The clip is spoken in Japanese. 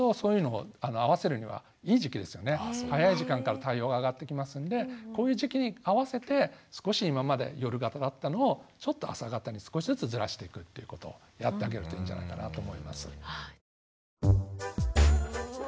早い時間から太陽が上がってきますのでこういう時期に合わせて少し今まで夜型だったのをちょっと朝型に少しずつずらしていくっていうことをやってあげるといいんじゃないかなと思います。